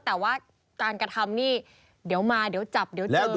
แต่ว่าการกระทำนี่เดี๋ยวมาเดี๋ยวจับเดี๋ยวเจอ